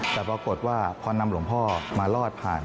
แต่ปรากฏว่าพอนำหลวงพ่อมารอดผ่าน